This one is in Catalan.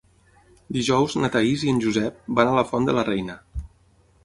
Dijous na Thaís i en Josep van a la Font de la Reina.